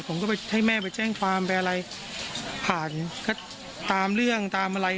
ผมก็ได้เช่งความแม่ไปอะไรผ่านก็ตามเรื่องตามอะไร